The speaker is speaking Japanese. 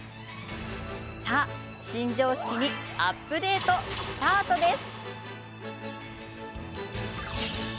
さあ、シン・常識にアップデートスタートです。